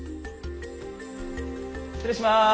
失礼します。